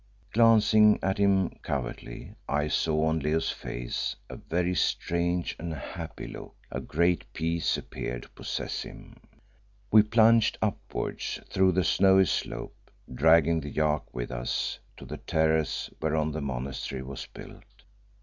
Glancing at him covertly, I saw on Leo's face a very strange and happy look; a great peace appeared to possess him. We plunged upwards through the snow slope, dragging the yak with us, to the terrace whereon the monastery was built.